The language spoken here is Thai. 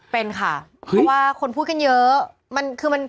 เป็นค่ะเพราะว่าคนพูดกันเยอะ